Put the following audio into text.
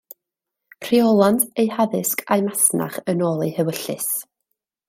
Rheolant eu haddysg a'u masnach yn ôl eu hewyllys.